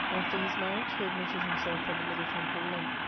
[After his mariage] he admitted himselfe at the Middle Temple, London.